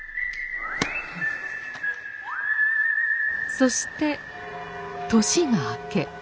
そして年が明け。